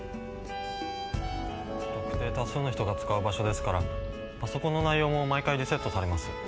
不特定多数の人が使う場所ですからパソコンの内容も毎回リセットされます。